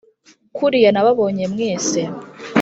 kuriya nababonye mwese